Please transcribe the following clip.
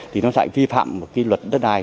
thì nó sẽ vi phạm cái luật đất đai